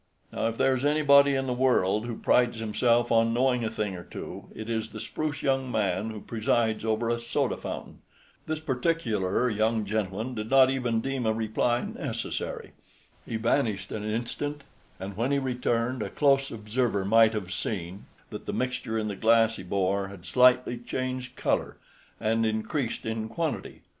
Now if there is anybody in the world who prides himself on knowing a thing or two, it is the spruce young man who presides over a soda fountain. This particular young gentleman did not even deem a reply necessary. He vanished an instant, and when he returned a close observer might have seen that the mixture in the glass he bore had slightly changed color and increased in quantity.